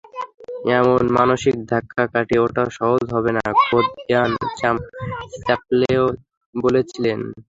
এমন মানসিক ধাক্কা কাটিয়ে ওঠা সহজ হবে না, খোদ ইয়ান চ্যাপেলও বলেছিলেন।